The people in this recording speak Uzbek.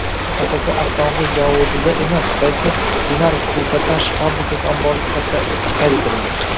Asaka avtomobil zavodida emas, balki Dinar trikotaj fabrikasi ombori sifatida qayd etilgan